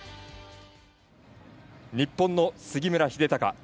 日本の杉村英孝。